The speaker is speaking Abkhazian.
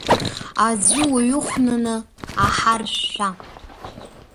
Аӡәы уҩыхәнаны аҳа ршәшәа!